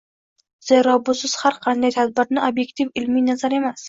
Zero busiz har qanday tadbirni ob’ektiv ilmiy nazar emas